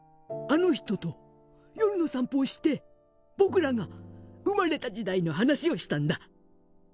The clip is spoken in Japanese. あの人と夜の散歩をして僕らが生まれた時代の話をしたんだ。